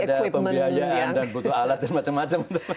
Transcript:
ada pembiayaan dan butuh alat dan macam macam